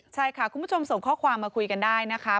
ใช่ค่ะคุณผู้ชมส่งข้อความมาคุยกันได้นะคะ